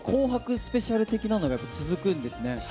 スペシャル的なのが続くんですね。